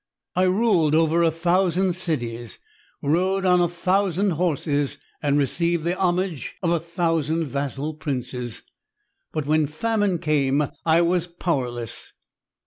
I ruled over a thousand cities, rode on a thousand horses, and received the homage of a thousand vassal princes; but when Famine came I was powerless.